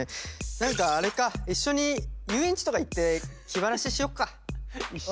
何かあれか一緒に遊園地とか行って気晴らししよっか。